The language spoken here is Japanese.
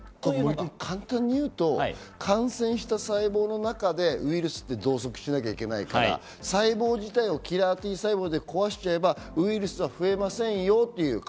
簡単に言うと、感染した細胞の中でウイルスって増殖しなきゃいけないから、細胞自体をキラーＴ細胞で壊しちゃえばウイルスは増えませんよという。